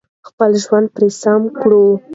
خپل ژوند پرې سم کړو.